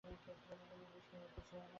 তবে কোনো বিষ্ণূমুর্তি ছিল না।